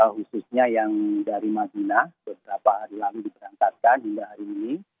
khususnya yang dari madinah beberapa hari lalu diberangkatkan hingga hari ini